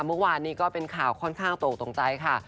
เมื่อวานนี้ก็เป็นข่าวค่อนข้างตกตกใจค่ะ